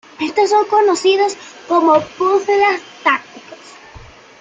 Estos son conocidos como puzzles tácticos.